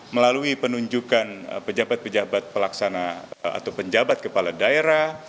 melalui penunjukan pejabat pejabat pelaksana atau penjabat kepala daerah